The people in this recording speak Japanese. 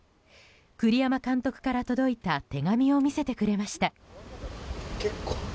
栗山監督から届いた手紙を見せてくれました。